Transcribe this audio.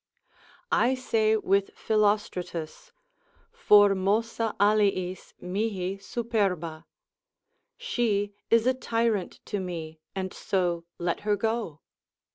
I say with Philostratus, formosa aliis, mihi superba, she is a tyrant to me, and so let her go.